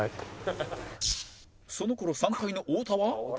その頃３階の太田は